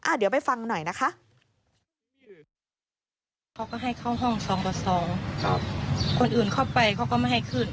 เดี๋ยวไปฟังหน่อยนะคะ